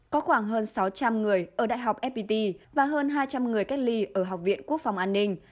có khoảng hơn sáu trăm linh người ở đại học fpt và hơn hai trăm linh người cách ly ở học viện quốc phòng an ninh